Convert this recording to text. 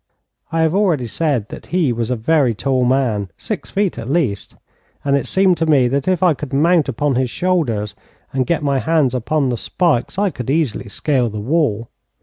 I have already said that he was a very tall man, six feet at least, and it seemed to me that if I could mount upon his shoulders, and get my hands upon the spikes, I could easily scale the wall.